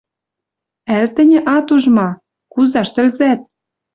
Ӓль тӹньӹ ат уж ма, кузаш тӹлзӓт.